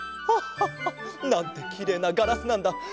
ハッハハなんてきれいなガラスなんだ。